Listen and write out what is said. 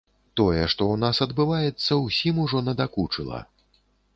Тое, што ў нас адбываецца, усім ужо надакучыла.